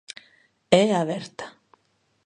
É aberta.